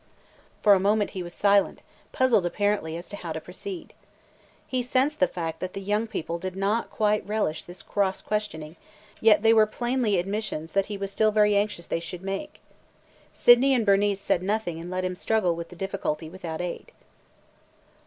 For a moment he was silent, puzzled apparently as to how to proceed. He sensed the fact that the young people did not quite relish this cross questioning, yet there were plainly admissions that he was still very anxious they should make. Sydney and Bernice said nothing and let him struggle with the difficulty without aid.